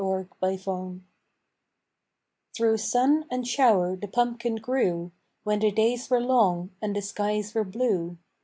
PUMPKIN PIE Through sun and shower the pumpkin grew, When the days were long and the skies were blue.